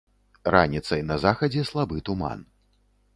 Раніцай на захадзе слабы туман.